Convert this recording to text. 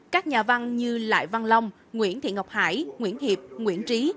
các nhà văn như lại văn long nguyễn thị ngọc hải nguyễn hiệp nguyễn trí